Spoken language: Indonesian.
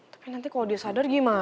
tapi nanti kalau dia sadar gimana